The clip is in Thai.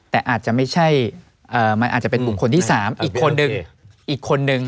แต่อาจจะไม่ใช่มันอาจจะเป็นบุคคลที่๓อีกคนนึงอีกคนนึง